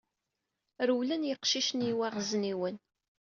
Rewlen yeqcicen i yiwaɣezniwen.